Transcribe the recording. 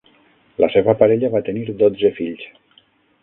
La seva parella va tenir dotze fills.